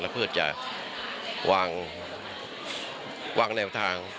เพื่อจะวางแนวทาง